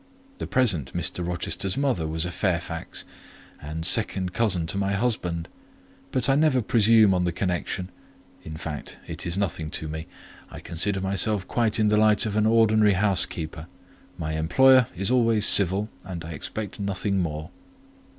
The present Mr. Rochester's mother was a Fairfax, and second cousin to my husband: but I never presume on the connection—in fact, it is nothing to me; I consider myself quite in the light of an ordinary housekeeper: my employer is always civil, and I expect nothing more."